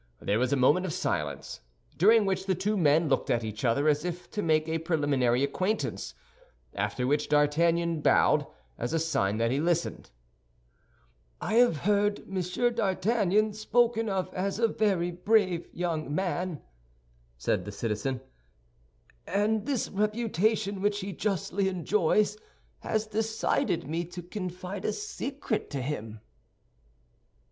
There was a moment of silence, during which the two men looked at each other, as if to make a preliminary acquaintance, after which D'Artagnan bowed, as a sign that he listened. "I have heard Monsieur d'Artagnan spoken of as a very brave young man," said the citizen; "and this reputation which he justly enjoys had decided me to confide a secret to him."